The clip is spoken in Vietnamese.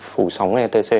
phủ sóng etc